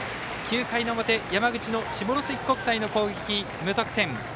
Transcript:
９回の表山口の下関国際の攻撃、無得点。